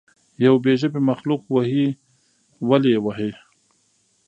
یو بې ژبې مخلوق وهئ ولې یې وهئ.